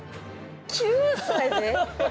９歳で？